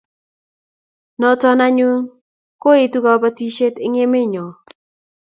Noto anyun koetu kobotisiet eng emenyo